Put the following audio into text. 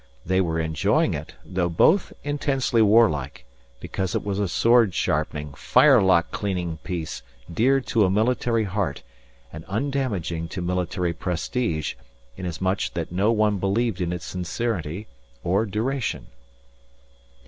They were enjoying it, though both intensely warlike, because it was a sword sharpening, firelock cleaning peace dear to a military heart and undamaging to military prestige inasmuch that no one believed in its sincerity or duration.